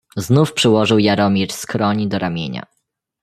"Znów przyłożył Jaromir skroń do ramienia."